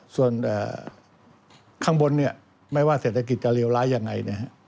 ส่วนข้างบนไม่ว่าเศรษฐกิจจะเลวร้ายยังไง